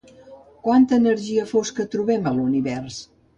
Quanta energia fosca trobem a l'Univers?